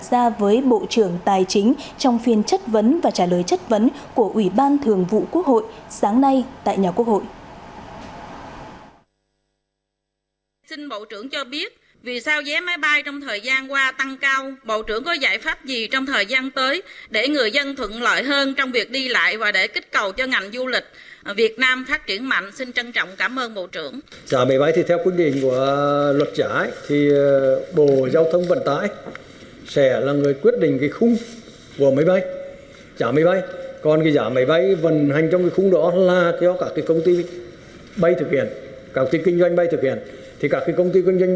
xin bộ trưởng cho biết vì sao vé máy bay trong thời gian qua tăng cao bộ trưởng có giải pháp gì trong thời gian tới để người dân thuận lợi hơn trong việc đi lại và để kích cầu cho ngành du lịch việt nam phát triển mạnh xin trân trọng cảm ơn bộ trưởng